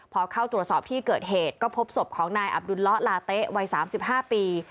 พอเข้าตรวจสอบที่เกิดเหตุก็พบศพของนายอับดุลละลาเต๊ะวัย๓๕ปี